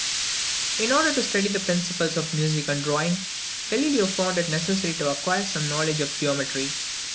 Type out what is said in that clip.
In order to study the principles of music and drawing, Galileo found it necessary to acquire some knowledge of geometry.